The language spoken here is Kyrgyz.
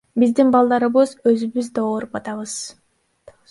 Биздин балдарыбыз, өзүбүз да ооруп атабыз.